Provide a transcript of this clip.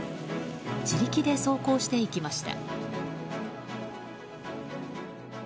自力で走行していきました。